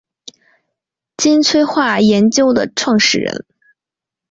金催化研究的创始人。